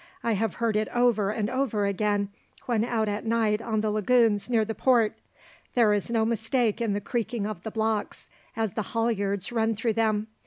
I have heard it over and over again when out at night on the lagoons near the port. There is no mistake in the creaking of the blocks as the halyards run through them.